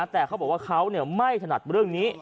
แต่เขาบอกว่าเขาไม่ถนัดเรื่องนี้